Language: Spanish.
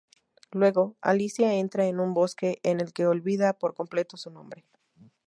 Luego, Alicia entra en un bosque en el que olvida por completo su nombre.